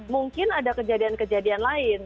mungkin ada kejadian kejadian lain